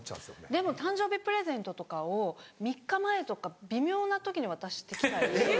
でも誕生日プレゼントとかを３日前とか微妙な時に渡して来たり。